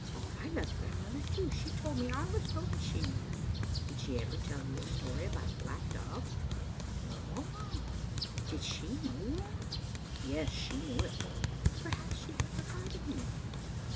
I loved grandmother too. She told me all the stories she knew." " Did she ever tell you a story about a black dog?" " No. Did she know one?" "Yes, she knew it." " Perhaps she had forgotten it?"